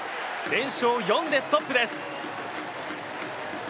連勝４でストップです。